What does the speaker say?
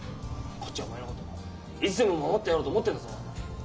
こっちはお前のこといつでも守ってやろうと思ってんだぞ！